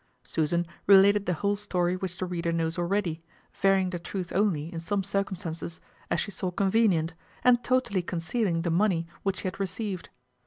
Susan related the whole story which the reader knows already, varying the truth only in some circumstances, as she saw convenient, and totally concealing the money which she had received.